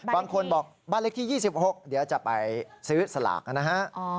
บางคนบอกบ้านเลขที่๒๖เดี๋ยวจะไปซื้อสลากนะฮะ